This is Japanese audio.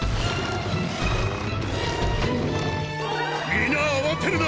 ・皆慌てるな。